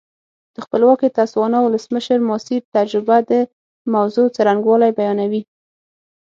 د خپلواکې تسوانا ولسمشر ماسیر تجربه د موضوع څرنګوالی بیانوي.